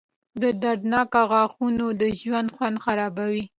• دردناک غاښونه د ژوند خوند خرابوي.